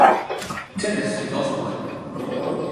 Tennis is also played.